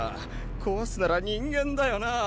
壊すなら人間だよなぁ！